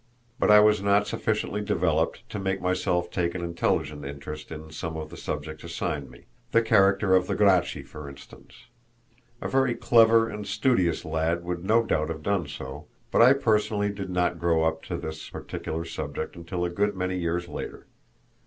But I was not sufficiently developed to make myself take an intelligent interest in some of the subjects assigned me the character of the Gracchi, for instance. A very clever and studious lad would no doubt have done so, but I personally did not grow up to this particular subject until a good many years later.